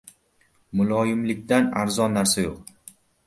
• Muloyimlikdan arzon narsa yo‘q.